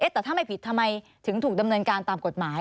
แต่ถ้าไม่ผิดทำไมถึงถูกดำเนินการตามกฎหมาย